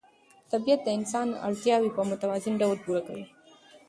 طبیعت د انسان اړتیاوې په متوازن ډول پوره کوي